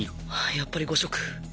やっぱり５色。